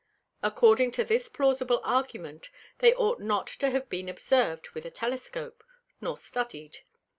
According to this plausible Argument they ought not to have been observ'd with a Telescope, nor study'd.